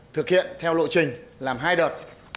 thực hiện theo lộ trình làm hai đợt